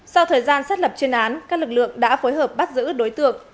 sau thời gian xác lập chuyên án các lực lượng đã phối hợp bắt giữ đối tượng